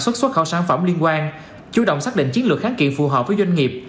xuất xuất khẩu sản phẩm liên quan chủ động xác định chiến lược kháng kiện phù hợp với doanh nghiệp